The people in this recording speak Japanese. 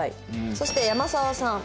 そして山澤さん。